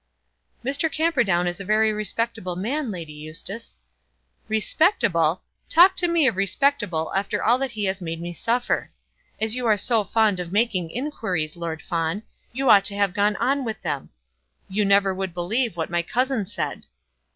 "Mr. Camperdown is a very respectable man, Lady Eustace." "Respectable! Talk to me of respectable after all that he has made me suffer! As you were so fond of making inquiries, Lord Fawn, you ought to have gone on with them. You never would believe what my cousin said."